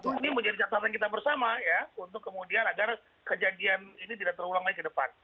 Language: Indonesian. ini menjadi catatan kita bersama ya untuk kemudian agar kejadian ini tidak terulang lagi ke depan